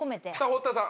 堀田さん。